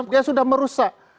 dia sudah merusak